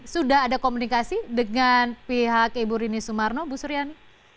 sudah ada komunikasi dengan pihak ibu rini sumarno bu suryani